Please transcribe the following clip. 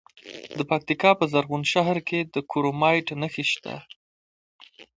د پکتیکا په زرغون شهر کې د کرومایټ نښې شته.